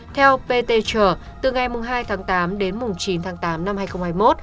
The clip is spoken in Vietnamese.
theo pt trờ từ ngày hai tháng tám đến chín tháng tám năm hai nghìn hai mươi một